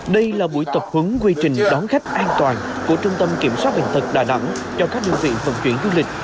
đây là buổi tập hứng quy trình đón khách an toàn của trung tâm kiểm soát hình thật đà nẵng cho các đơn vị vận chuyển du lịch